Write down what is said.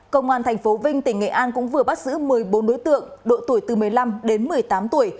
công an tp vinh tỉnh nghệ an cũng vừa bắt giữ một mươi bốn đối tượng độ tuổi từ một mươi năm đến một mươi tám tuổi